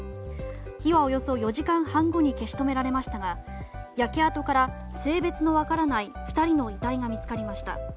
火はおよそ４時間半後に消し止められましたが焼け跡から性別の分からない２人の遺体が見つかりました。